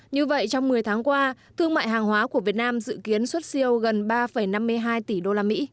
như vậy trong một mươi tháng qua thương mại hàng hóa của việt nam dự kiến xuất siêu gần ba năm mươi hai tỷ usd